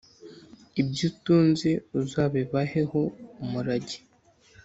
Ibyo utunze uzabibaheho umurage.